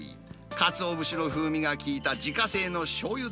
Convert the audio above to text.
かつお節の風味が効いた自家製のしょうゆ